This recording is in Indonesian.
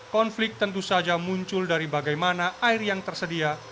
konflik tentu saja muncul dari bagaimana air yang tersedia